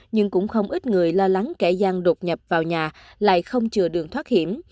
nhưng cũng không ít người lo lắng kẻ gian đột nhập vào nhà lại không chừa đường thoát hiểm